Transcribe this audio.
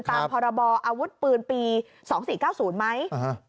ตามพรบออาวุธปืนปี๒๔๙๐ไหม